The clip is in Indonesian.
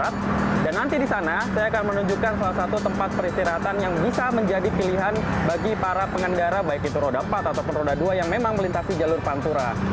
pemudik yang mengandara baik itu roda empat atau roda dua yang memang melintasi jalur pantura